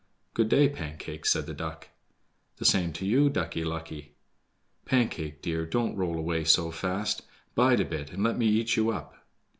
"Good day, Pancake," said the duck. "The same to you, Ducky lucky." "Pancake, dear, don't roll away so fast; bide a bit and let me eat you up."